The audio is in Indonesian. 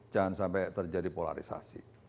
jangan sampai terjadi polarisasi